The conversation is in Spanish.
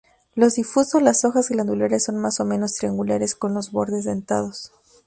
Los difusos, las hojas glandulares son más o menos triangulares con los bordes dentados.